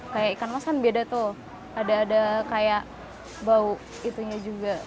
kayak ikan mas kan beda tuh ada ada kayak bau itunya juga